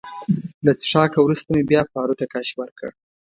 له څښاکه وروسته مې بیا پارو ته کش ورکړ.